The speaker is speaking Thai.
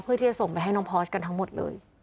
เพื่อที่จะส่งไปให้น้องพอร์ชกันทั้งหมดเลย